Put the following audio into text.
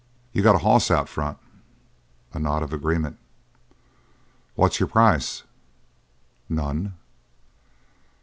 "You got a hoss out in front." A nod of agreement. "What's your price?" "None."